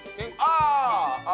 ああ